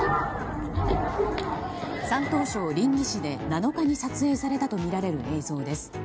山東省臨沂市で７日に撮影されたとみられる映像です。